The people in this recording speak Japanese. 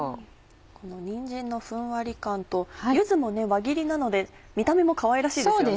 このにんじんのふんわり感と柚子も輪切りなので見た目もかわいらしいですよね。